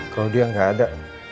kalau dia gak ada